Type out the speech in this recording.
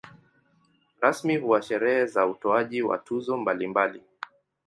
Rasmi huwa sherehe za utoaji wa tuzo mbalimbali.